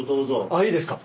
あっいいですか？